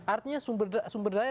artinya sumber daya